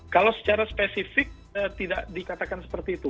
kalau secara spesifik tidak dikatakan seperti itu